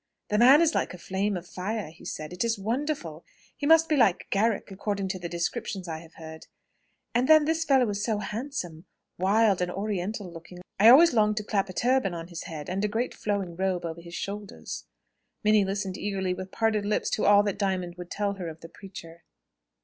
"The man is like a flame of fire," he said. "It is wonderful! He must be like Garrick, according to the descriptions I have heard. And, then, this fellow is so handsome wild and oriental looking. I always long to clap a turban on his head, and a great flowing robe over his shoulders." Minnie listened eagerly, with parted lips, to all that Diamond would tell her of the preacher.